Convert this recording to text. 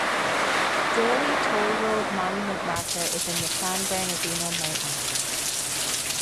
Daley Toll Road Monument marker is in the San Bernardino Mountains.